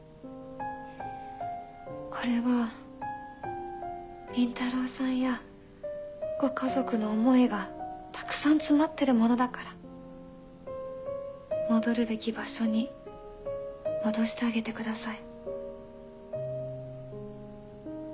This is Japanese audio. これは倫太郎さんやご家族の思いがたくさん詰まってるものだから戻るべき場所に戻してあげてください。